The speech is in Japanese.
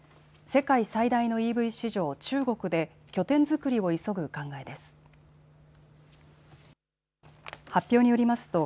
世界最大のＥＶ市場、中国で拠点作りを急ぐ考えです。